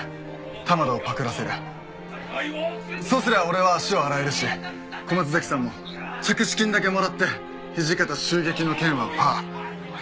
そうすりゃ俺は足を洗えるし小松崎さんも着手金だけもらって土方襲撃の件はパー。